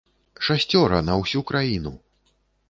Шасцёра на ўсю краіну!